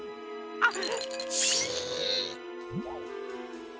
あっ。